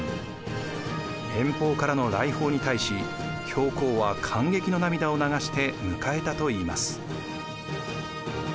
遠方からの来訪に対し教皇は感激の涙を流して迎えたといいます。